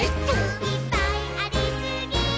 「いっぱいありすぎー！！」